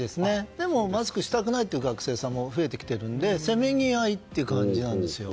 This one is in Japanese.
でもマスクしたくない学生さんも増えてきているのでせめぎ合いという感じなんですよ。